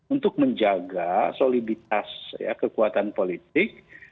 untuk menjaga soliditas kekuatan politik